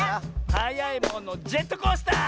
「はやいものジェットコースター！」